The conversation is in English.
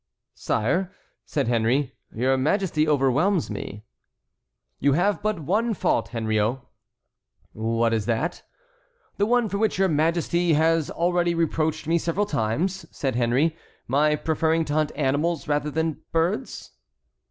"Sire," said Henry, "your Majesty overwhelms me." "You have but one fault, Henriot." "What is that? The one for which your Majesty has already reproached me several times?" said Henry. "My preferring to hunt animals rather than birds?"